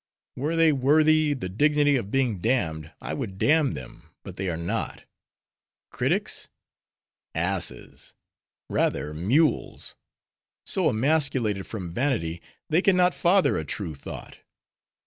Were they worthy the dignity of being damned, I would damn them; but they are not. Critics?—Asses! rather mules!—so emasculated, from vanity, they can not father a true thought.